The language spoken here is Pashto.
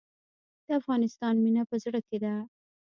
د افغانستان مینه په زړه کې ده